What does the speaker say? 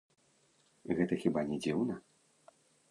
Гэта хіба не дзіўна?